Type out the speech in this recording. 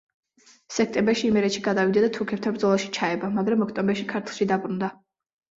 სექტემბერში იმერეთში გადავიდა და თურქებთან ბრძოლაში ჩაება, მაგრამ ოქტომბერში ქართლში დაბრუნდა.